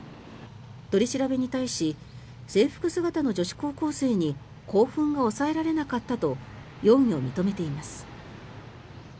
取り調べに対し制服姿の女子高校生に興奮が抑えられなかったと容疑を認めています。